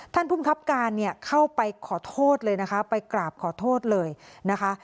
ภูมิครับการเนี่ยเข้าไปขอโทษเลยนะคะไปกราบขอโทษเลยนะคะ